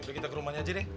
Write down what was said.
udah kita ke rumahnya aja nih